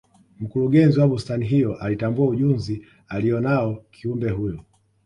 mkurugenzi wa bustani hiyo alitambua ujunzi aliyo nao kiumbe huyo